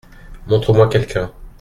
Montre-moi quelqu’un.